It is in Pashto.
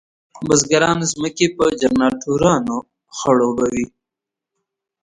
بزګران په جنراټورانو خړوبوي.